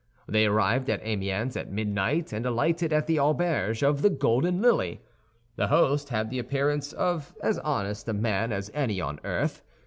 They arrived at Amiens at midnight, and alighted at the auberge of the Golden Lily. The host had the appearance of as honest a man as any on earth.